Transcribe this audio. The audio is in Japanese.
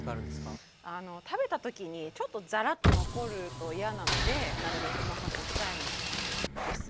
食べた時にちょっとザラッと残ると嫌なのでなるべく細かくしたいのです。